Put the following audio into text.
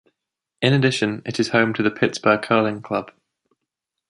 In addition, it is home to the Pittsburgh Curling Club.